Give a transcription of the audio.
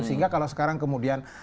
sehingga kalau sekarang kemudian